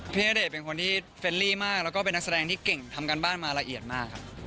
ณเดชน์เป็นคนที่เฟรลี่มากแล้วก็เป็นนักแสดงที่เก่งทำการบ้านมาละเอียดมากครับ